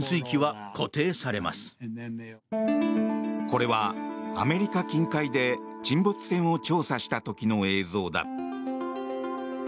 これはアメリカ近海で沈没船を調査した時の映像だ。